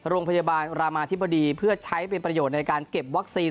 โรงพยาบาลรามาธิบดีเพื่อใช้เป็นประโยชน์ในการเก็บวัคซีน